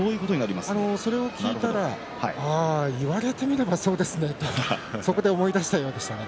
それを聞いたら、言われてみればそうですねとそこで思い出したようですね。